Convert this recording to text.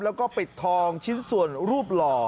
แล้วก็ปิดทองชิ้นส่วนรูปหล่อ